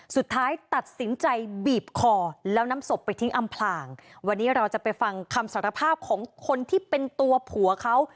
สุดท้ายตัดสินใจบีบคอแล้วนำศพไปทิ้งอำพลางวันนี้เราจะไปฟังคำสารภาพของคนที่เป็นตัวผัวเขา